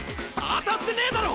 当たってねえだろ！？